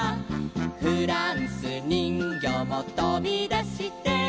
「フランスにんぎょうもとびだして」